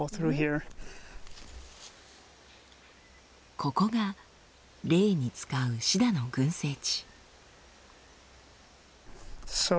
ここがレイに使うシダの群生地。